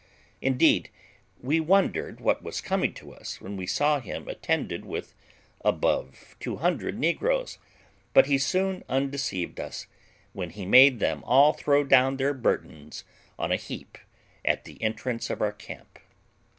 Indeed, we wondered what was coming to us when we saw him attended with above 200 negroes; but he soon undeceived us, when he made them all throw down their burdens on a heap at the entrance of our camp.